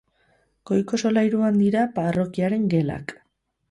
Goiko solairuan dira parrokiaren gelak.